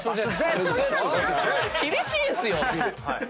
厳しいんすよ。